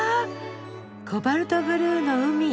コバルトブルーの海。